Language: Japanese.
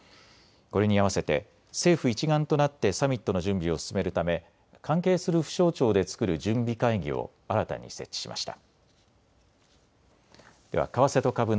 これに合わせて政府一丸となってサミットの準備を進めるため関係する府省庁で作る準備会議を新たに設置しました。